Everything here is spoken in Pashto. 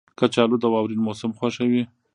کچالو د واورین موسم خوښوي